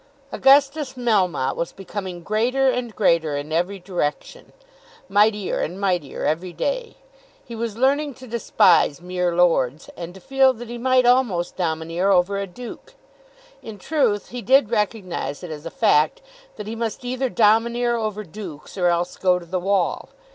Augustus Melmotte was becoming greater and greater in every direction, mightier and mightier every day. He was learning to despise mere lords, and to feel that he might almost domineer over a duke. In truth he did recognise it as a fact that he must either domineer over dukes, or else go to the wall.